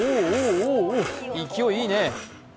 おー、勢い、いいね。